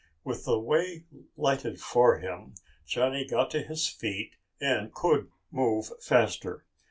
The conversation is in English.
With the way lighted for him, Johnny got to his feet and could move faster.